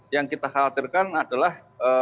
yang kita khawatirkan adalah